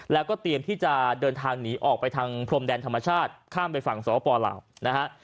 แล้วก็เตรียมที่จะเดินทางหนีออกไปทางพรมแดนธรรมชาติข้ามไปฝั่งสวปลาวนะฮะ